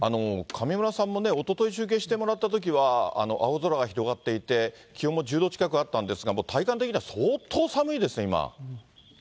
上村さんもおととい中継してもらったときは、青空が広がっていて、気温も１０度近くあったんですが、もう体感的には相当寒いですね、今。